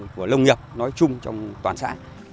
của nông nghiệp nói chung trong toàn xã